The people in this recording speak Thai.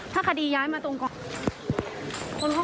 ถ้าคดีย้ายมาตรงก่อน